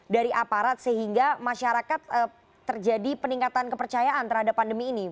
dari aparat sehingga masyarakat terjadi peningkatan kepercayaan terhadap pandemi ini